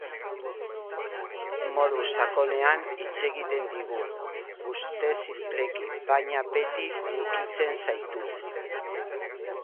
Modu sakonean hitz egiten digu, ustez sinpleki, baina beti hunkitzen zaitu.